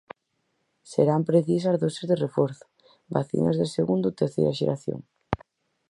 Serán precisas doses de reforzo, vacinas de segunda ou terceira xeración?